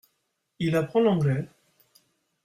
Il apprend l’anglais ?